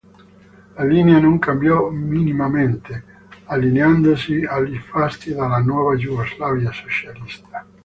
La linea non cambiò minimamente, allineandosi ai fasti della nuova Jugoslavia socialista.